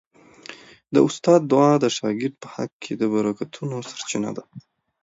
د استاد دعا د شاګرد په حق کي د برکتونو سرچینه ده.